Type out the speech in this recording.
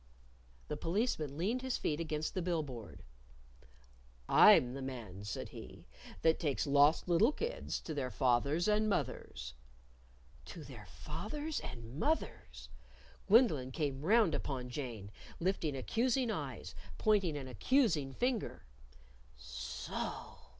The Policeman leaned his feet against the bill board. "I'm the man," said he, "that takes lost little kids to their fathers and mothers." To their fathers and mothers! Gwendolyn came round upon Jane, lifting accusing eyes, pointing an accusing finger, "So!"